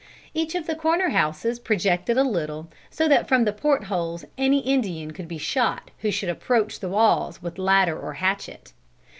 Each of the corner houses projected a little, so that from the port holes any Indian could be shot who should approach the walls with ladder or hatchet.